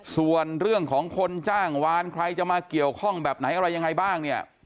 ส่วนเรื่องของคนจ้างวานใครจะมาเกี่ยวข้องแบบไหนอะไรยังไงบ้างเนี่ย